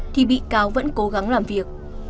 thì bị cáo vẫn cố gắng làm việc